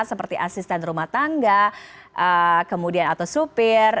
seperti asisten rumah tangga kemudian atau supir